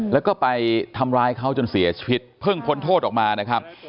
แล้วก็ไปทำร้ายเขาจนเสียชีวิตเพิ่งพ้นโทษออกมานะครับ